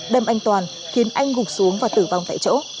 đâm anh toàn khiến anh gục xuống và tử vong tại chỗ